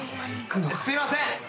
すいません！